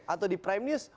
atau di prime news